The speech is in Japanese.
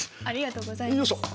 ありがとうございます。